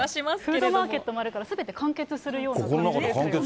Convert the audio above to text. フードマーケットもあるから、すべて完結するような感じですよね。